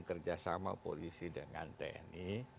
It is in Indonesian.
kerjasama polisi dengan tni